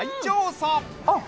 あっ！